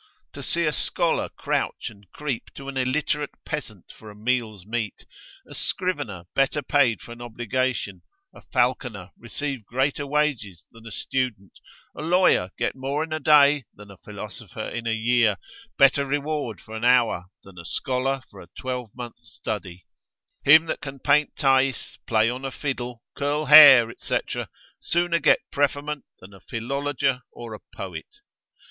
To see a scholar crouch and creep to an illiterate peasant for a meal's meat; a scrivener better paid for an obligation; a falconer receive greater wages than a student; a lawyer get more in a day than a philosopher in a year, better reward for an hour, than a scholar for a twelvemonth's study; him that can paint Thais, play on a fiddle, curl hair, &c., sooner get preferment than a philologer or a poet.